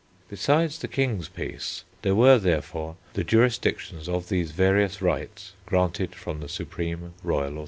Besides the King's peace, there were, therefore, the jurisdictions of these various rights granted from the supreme royal authority.